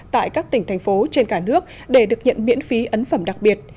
tại các tỉnh thành phố trên cả nước để được nhận miễn phí ấn phẩm đặc biệt